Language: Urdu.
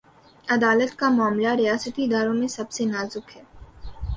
عدالت کامعاملہ، ریاستی اداروں میں سب سے نازک ہے۔